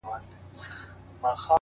د کندهار ماځيگره; ستا خبر نه راځي;